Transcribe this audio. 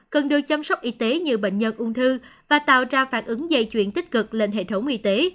cần được chăm sóc y tế như bệnh nhân ung thư và tạo ra phản ứng dây chuyển tích cực lên hệ thống y tế